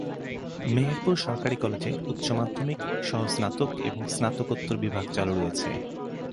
মেহেরপুর সরকারি কলেজে উচ্চ মাধ্যমিক সহ স্নাতক এবং স্নাতকোত্তর বিভাগ চালু রয়েছে।